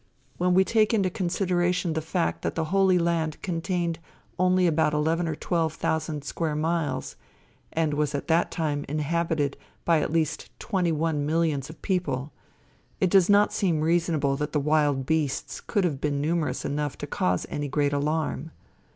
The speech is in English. When we take into consideration the fact that the Holy Land contained only about eleven or twelve thousand square miles, and was at that time inhabited by at least twenty one millions of people, it does not seem reasonable that the wild beasts could have been numerous enough to cause any great alarm.